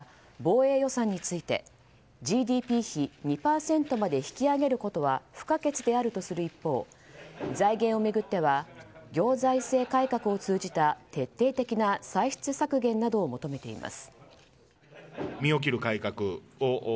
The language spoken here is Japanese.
また、防衛予算についてＧＤＰ比２％まで引き上げることは不可欠であるとする一方財源を巡っては行財政改革を通じた徹底的な歳出削減などを求めています。